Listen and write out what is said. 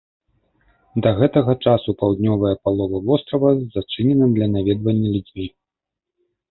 Да гэтага часу паўднёвая палова вострава зачынена для наведвання людзьмі.